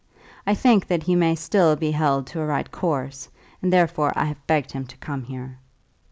I think that he may still be held to a right course, and therefore I have begged him to come here."